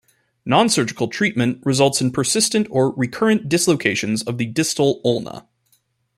Nonsurgical treatment results in persistent or recurrent dislocations of the distal ulna.